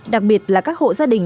đặc biệt là các hộ gia đình